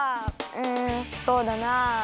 うんそうだな。